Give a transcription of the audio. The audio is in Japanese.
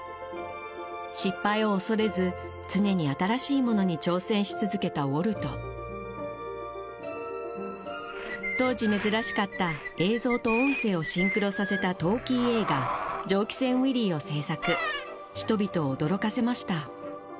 失敗を恐れず常に新しいものに挑戦し続けたウォルト当時珍しかった映像と音声をシンクロさせたトーキー映画「蒸気船ウィリー」を製作人々を驚かせました